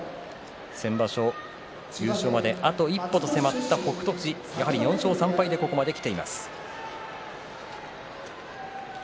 先場所、優勝まであと一歩と迫った北勝富士やはり４勝３敗でここまできています。